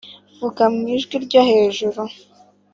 vuga mu ijwi ryo hejuru .